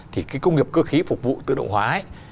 thì cái công nghiệp cơ khí phục vụ tự động hóa ấy